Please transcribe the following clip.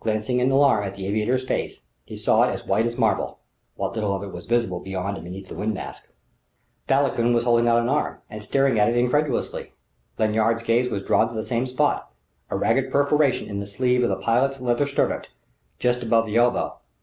Glancing in alarm at the aviator's face, he saw it as white as marble what little of it was visible beyond and beneath the wind mask. Vauquelin was holding out an arm, and staring at it incredulously; Lanyard's gaze was drawn to the same spot a ragged perforation in the sleeve of the pilot's leather surtout, just above the elbow.